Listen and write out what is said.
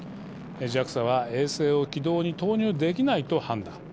ＪＡＸＡは衛星を軌道に投入できないと判断。